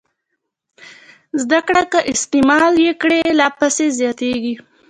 زده کړه که استعمال یې کړئ لا پسې زیاتېږي.